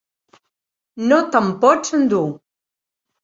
No te'm pots endur!